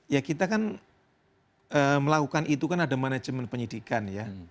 ya kita kan melakukan itu kan ada manajemen penyidikan ya